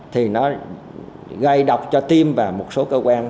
thì nó gây độc cho tim và một số cơ quan